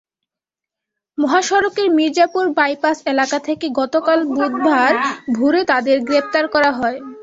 মহাসড়কের মির্জাপুর বাইপাস এলাকা থেকে গতকাল বুধবার ভোরে তাঁদের গ্রেপ্তার করা হয়।